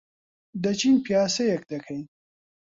دەچین پیاسەیەک دەکەین.